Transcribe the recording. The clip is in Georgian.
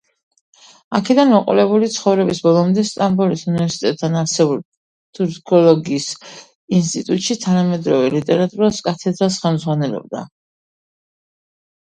აქედან მოყოლებული ცხოვრების ბოლომდე სტამბოლის უნივერსიტეტთან არსებულ თურქოლოგიის ინსტიტუტში თანამედროვე ლიტერატურას კათედრას ხელმძღვანელობდა.